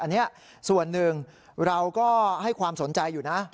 อันนี้ส่วนหนึ่งเราก็ให้ความสนใจอยู่นะ